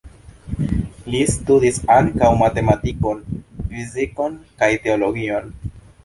Li studis ankaŭ matematikon, fizikon kaj teologion.